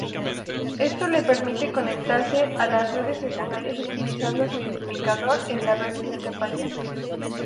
Esto le permite conectarse a redes secundarias utilizando su identificador en la red principal.